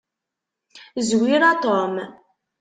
Zwir a Tom.